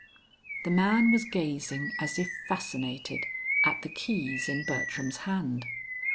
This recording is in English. The man was gazing as if fascinated at the keys in Bertram's hand.